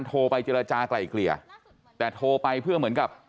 แต่โทรไปเพื่อเหมือนกับ